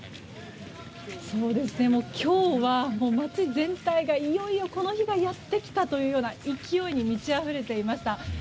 今日は街全体がいよいよこの日がやってきたというような勢いに満ちあふれていました。